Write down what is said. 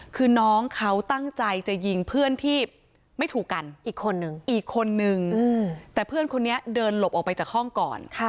คือน้องเขาตั้งใจจะยิงเพื่อนที่ไม่ถูกกันอีกคนนึงอีกคนนึงแต่เพื่อนคนนี้เดินหลบออกไปจากห้องก่อน